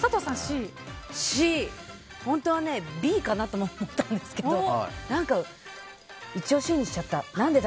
本当はＢかなと思ったんですけどＣにしちゃった。